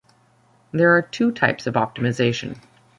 There are two types of optimization.